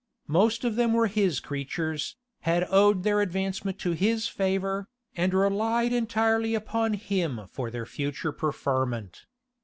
Most of them were his creatures, had owed their advancement to his favor, and relied entirely upon him for their future preferment.